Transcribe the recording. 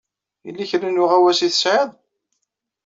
Yella kra n uɣawas ay tesɛiḍ?